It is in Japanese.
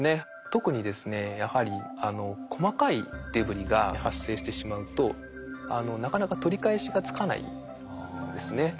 特にですねやはり細かいデブリが発生してしまうとなかなか取り返しがつかないんですね。